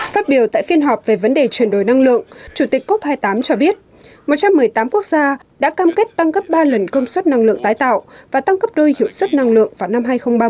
phát biểu tại phiên họp về vấn đề chuyển đổi năng lượng chủ tịch cốc hai mươi tám cho biết một trăm một mươi tám quốc gia đã cam kết tăng gấp ba lần công suất năng lượng tái tạo và tăng cấp đôi hiệu suất năng lượng vào năm hai nghìn ba mươi